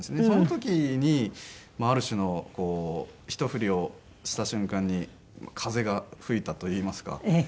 その時にある種の一振りをした瞬間に風が吹いたといいますか。